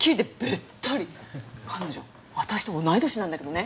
彼女私と同い年なんだけどね。